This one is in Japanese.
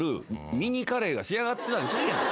ミニカレーが仕上がってたりするやん。